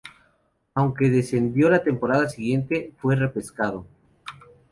Aunque descendió la temporada siguiente, fue repescado.